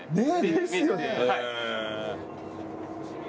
ですよね！